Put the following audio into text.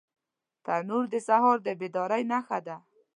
تنور د سهار د بیدارۍ نښه ده